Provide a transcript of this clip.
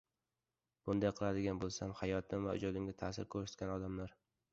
Bunday qiladigan boʻlsam, hayotim va ijodimga taʼsir koʻrsatgan odamlar